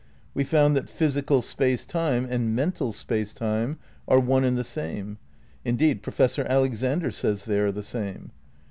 We found that physical space time and mental space time are one and the same. (Indeed Pro fessor Alexander says they are the same.)